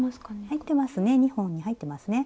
入ってますね２本に入ってますね。